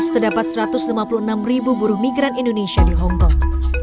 terdapat satu ratus lima puluh enam ribu buruh migran indonesia di hongkong